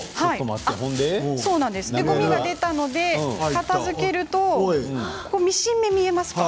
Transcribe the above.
ごみが出たので片づけるとミシン目が見えますか？